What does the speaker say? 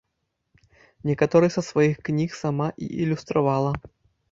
Некаторыя са сваіх кніг сама і ілюстравала.